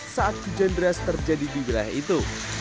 saat hujan deras terjadi di wilayah itu